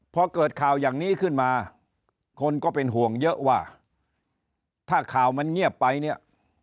พอเกิดข่าวอย่างนี้ขึ้นมาคนก็เป็นห่วงเยอะว่าถ้าข่าวมันเงียบไปเนี่ย